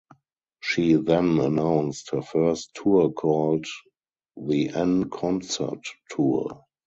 She then announced her first tour called the En Concert Tour.